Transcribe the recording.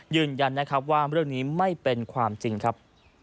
ยืนยันนะครับว่าเรื่องนี้ไม่เป็นความจริงครับ